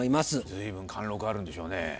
随分貫禄あるんでしょうね